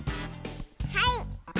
はい。